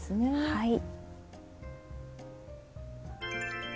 はい。